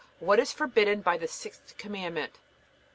What is forbidden by the sixth Commandment?